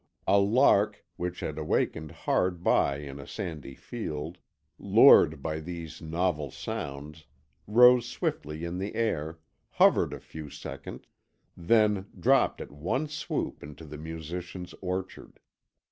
A lark, which had awakened hard by in a sandy field, lured by these novel sounds, rose swiftly in the air, hovered a few seconds, then dropped at one swoop into the musician's orchard.